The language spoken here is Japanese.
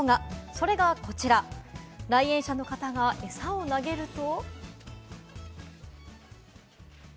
それがこちら、来園者の方がエサを投げると。